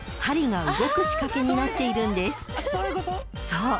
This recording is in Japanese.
［そう。